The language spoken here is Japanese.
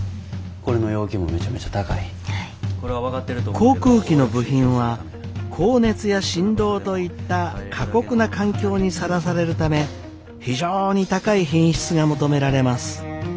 航空機の部品は高熱や振動といった過酷な環境にさらされるため非常に高い品質が求められます。